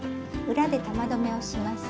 裏で玉留めをします。